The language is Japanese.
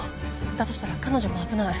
だとしたら彼女も危ない。